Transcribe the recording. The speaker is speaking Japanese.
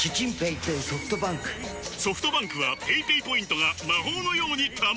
ソフトバンクはペイペイポイントが魔法のように貯まる！